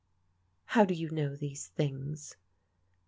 " How do you know these things?